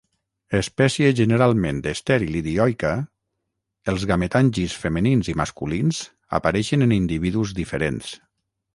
Espècie generalment estèril i dioica, els gametangis femenins i masculins apareixen en individus diferents.